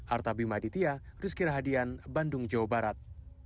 artabi maditya ruskira hadian bandung jawa barat